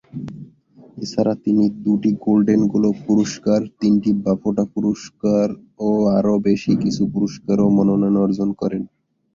এছাড়া তিনি দুটি গোল্ডেন গ্লোব পুরস্কার, তিনটি বাফটা পুরস্কার ও আরও বেশ কিছু পুরস্কার ও মনোনয়ন অর্জন করেন।